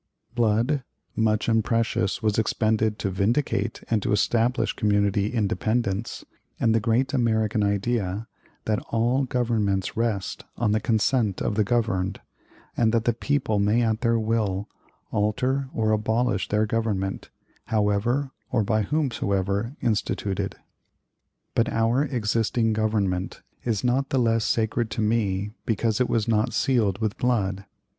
Blood, much and precious, was expended to vindicate and to establish community independence, and the great American idea that all governments rest on the consent of the governed, and that the people may at their will alter or abolish their government, however or by whomsoever instituted. "But our existing Government is not the less sacred to me because it was not sealed with blood.